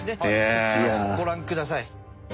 こちらをご覧ください。